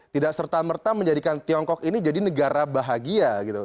tidak serta merta menjadikan tiongkok ini jadi negara bahagia gitu